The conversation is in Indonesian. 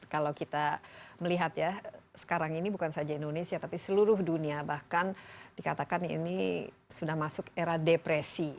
kalau kita melihat ya sekarang ini bukan saja indonesia tapi seluruh dunia bahkan dikatakan ini sudah masuk era depresi